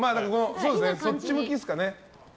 そっち向きですかね。